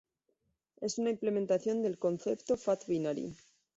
Es una implementación del concepto "fat binary".